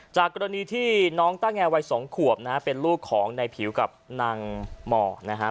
จากกรณีที่น้องต้าแงวัย๒ขวบนะฮะเป็นลูกของในผิวกับนางหมอนะฮะ